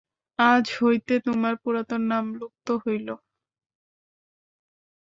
আজ হইতে তোমার পুরাতন নাম লুপ্ত হইল।